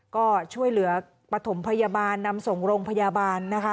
ก็ช่วยเหลือปฐมพยาบาลนำส่งโรงพยาบาลนะคะ